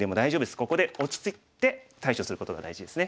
ここで落ち着いて対処することが大事ですね。